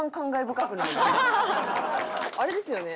あれですよね？